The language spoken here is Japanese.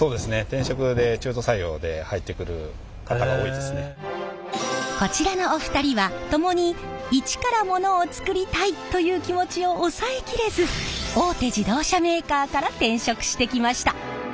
転職でこちらのお二人はともに一からモノを作りたいという気持ちを抑え切れず大手自動車メーカーから転職してきました。